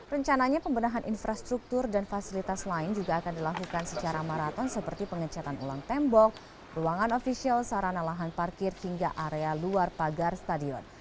rencananya pembenahan infrastruktur dan fasilitas lain juga akan dilakukan secara maraton seperti pengecatan ulang tembok ruangan ofisial sarana lahan parkir hingga area luar pagar stadion